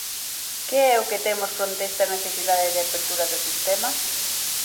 ¿Que é o que temos fronte esta necesidade de apertura do sistema?